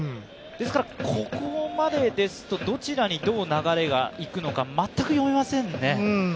ここまでですとどちらに流れがいくのか全く読めませんね。